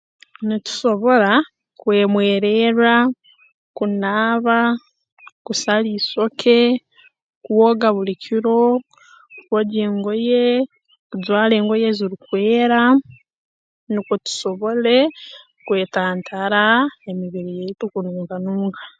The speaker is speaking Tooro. Nitusobora kwemwererra kunaaba kusara isoke kwoga buli kiro kwogya engoye kujwara engoye ezirukwera nukwo tusobole kwetantara emibiri yaitu kununka nunka